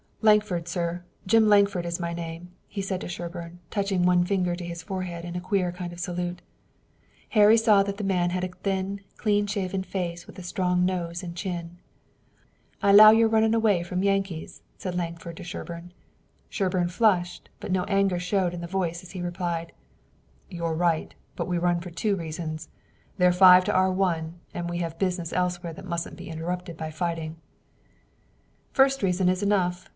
"Lankford, sir, Jim Lankford is my name," he said to Sherburne, touching one finger to his forehead in a queer kind of salute. Harry saw that the man had a thin, clean shaven face with a strong nose and chin. "I 'low you're runnin' away from the Yankees," said Lankford to Sherburne. Sherburne flushed, but no anger showed in his voice as he replied: "You're right, but we run for two reasons. They're five to our one, and we have business elsewhere that mustn't be interrupted by fighting." "First reason is enough.